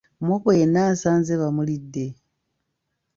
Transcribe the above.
Muwogo yenna nsanze bamulidde.